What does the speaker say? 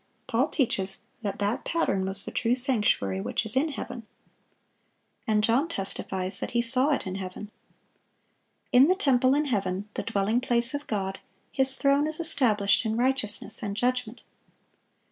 Paul teaches that that pattern was the true sanctuary which is in heaven. And John testifies that he saw it in heaven. In the temple in heaven, the dwelling place of God, His throne is established in righteousness and judgment.